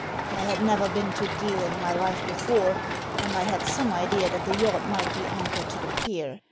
I had never been to Deal in my life before, and I had some idea that the yacht might be anchored to the pier.